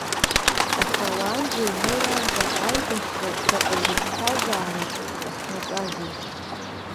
Аха уаанӡа инеиаанӡа аибашьра заҟаҩ рыԥсҭазаара ҿахнаҵәазеи?